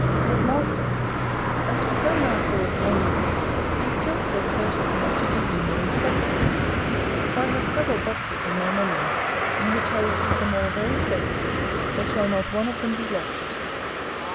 Good master, as we go now towards London, be still so courteous as to give me more instructions; for I have several boxes in my memory, in which I will keep them all very safe, there shall not one of them be lost.